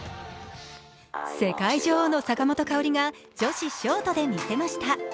世界女王の坂本花織が女子ショートで見せました。